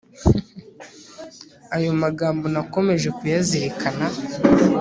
Ayo magambo nakomeje kuyazirikana